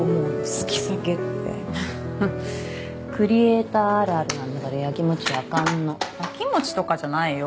好き避けってふふっクリエイターあるあるなんだからやきもちやかんのやきもちとかじゃないよ